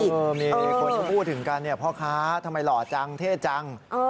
คนที่พูดถึงกันพ่อค้าทำไมหล่อจังเท่จัง